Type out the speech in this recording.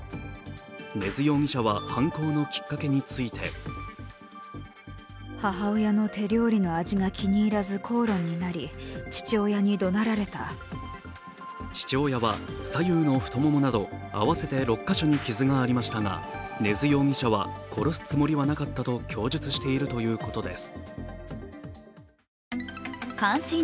根津容疑者は犯行のきっかけについて父親は左右の太ももなど合わせて６か所に傷がありましたが根津容疑者は、殺すつもりはなかったと供述しているということです。